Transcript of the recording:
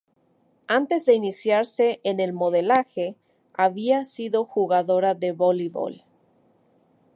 Antes de iniciarse en el modelaje, había sido jugadora de voleibol.